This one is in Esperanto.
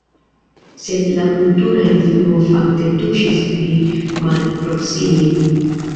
Sed la kultura influo fakte tuŝis pli malproksimen.